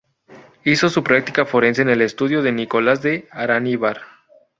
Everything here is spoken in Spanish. Hizo su práctica forense en el estudio de Nicolás de Araníbar.